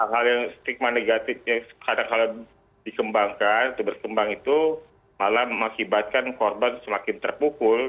hal yang stigma negatifnya kadang kadang dikembangkan atau berkembang itu malah mengakibatkan korban semakin terpukul